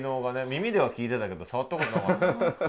耳では聴いてたけど触ったことなかったって。